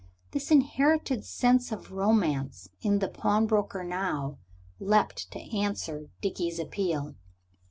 This inherited sense of romance in the pawnbroker now leaped to answer Dickie's appeal.